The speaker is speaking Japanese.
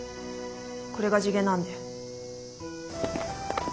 これが地毛なんで。